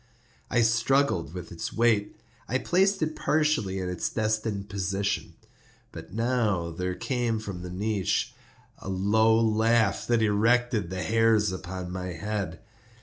I struggled with its weight; I placed it partially in its destined position. But now there came from out the niche a low laugh that erected the hairs upon my head.